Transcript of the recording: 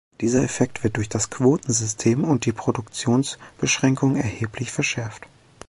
Dieser Effekt wird durch das Quotensystem und die Produktionsbeschränkungen erheblich verschärft.